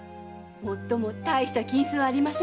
もっとも大した金子はありませんけどね。